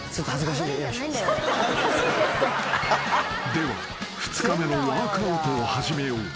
［では２日目のワークアウトを始めよう］